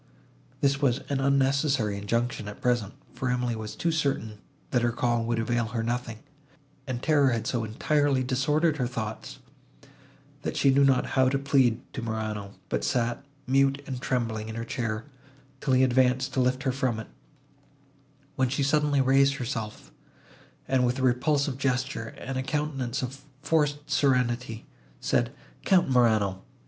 This was an unnecessary injunction, at present; for Emily was too certain, that her call would avail her nothing; and terror had so entirely disordered her thoughts, that she knew not how to plead to Morano, but sat, mute and trembling, in her chair, till he advanced to lift her from it, when she suddenly raised herself, and, with a repulsive gesture, and a countenance of forced serenity, said, "Count Morano!